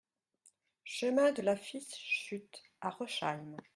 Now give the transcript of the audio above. Chemin de la Fischhutte à Rosheim